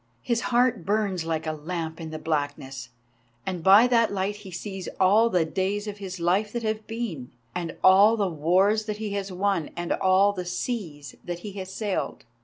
His heart burns like a lamp in the blackness, and by that light he sees all the days of his life that have been, and all the wars that he has won, and all the seas that he has sailed.